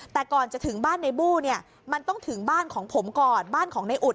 แต่ก่อนจะถึงบ้านในบู้เนี่ยมันต้องถึงบ้านของผมก่อนบ้านของในอุด